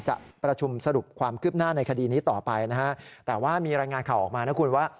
จะประชุมสรุปความคืบหน้าในคดีนี้ต่อไปนะฮะแต่ว่ามีรายงานข่าวออกมานะคุณว่า